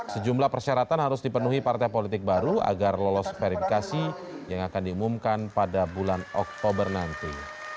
sejumlah persyaratan harus dipenuhi partai politik baru agar lolos verifikasi yang akan diumumkan pada bulan oktober nanti